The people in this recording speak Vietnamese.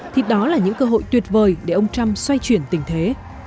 thì đó là những cơ hội tuyệt vời để ông trump xoay chuyển tình thế